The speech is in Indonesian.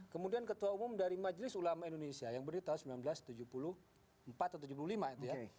kemudian ketua umum dari majelis ulama indonesia yang berdiri tahun seribu sembilan ratus tujuh puluh empat atau tujuh puluh lima itu ya